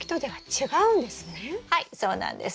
はいそうなんです。